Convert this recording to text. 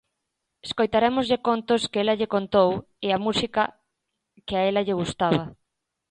Escoitarémoslle contos que ela lle contou e a música que a ela lle gustaba.